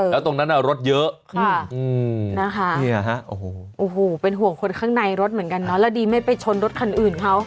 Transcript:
แล้วตรงนั้นรถเยอะนะคะโอ้โหเป็นห่วงคนข้างในรถเหมือนกันเนอะแล้วดีไม่ไปชนรถคันอื่นเขา